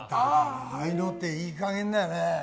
ああいうのっていい加減だよね。